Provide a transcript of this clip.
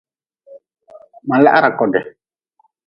Ma lahra kodi.